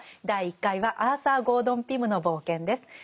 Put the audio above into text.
第１回は「アーサー・ゴードン・ピムの冒険」です。